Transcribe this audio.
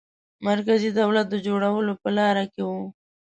مرکزي دولت د جوړولو په لاره کې وو.